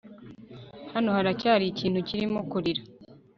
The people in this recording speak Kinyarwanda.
Hano haracyari ikintu kirimo kurira